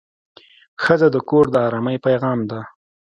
ښځه د کور د ارامۍ پېغام ده.